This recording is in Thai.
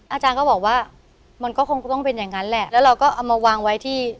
อาจารย์ก็บอกว่ามันก็คงต้องเป็นอย่างนั้นแหละแล้วเราก็เอามาวางไว้ที่